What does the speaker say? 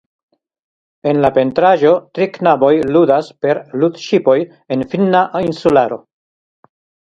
En la pentraĵo tri knaboj ludas per ludŝipoj en finna insularo.